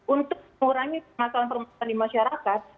untuk mengurangi masalah perumahan di masyarakat